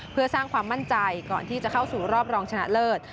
เพื่อสร้างความมั่นใจก่อนที่จะเข้าสู่รอบรองชนะเลิศ